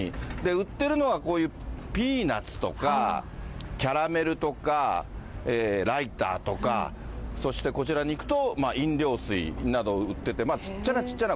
売ってるのはピーナッツとか、キャラメルとか、ライターとか、そしてこちらに行くと飲料水などを売ってて、小っちゃな小っちゃな